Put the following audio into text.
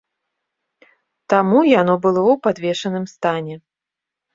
Таму яно было ў падвешаным стане.